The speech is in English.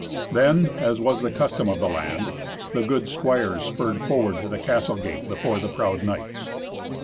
Then, as was the custom of the land, the good squires spurred forward to the castle gate before the proud knights.